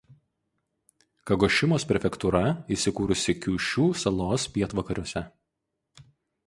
Kagošimos prefektūra įsikūrusi Kiūšiū salos pietvakariuose.